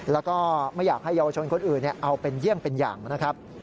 แล้วก็ไม่อยากให้เยาวชนคนอื่นเอาเป็นเยี่ยงเป็นอย่างนะครับ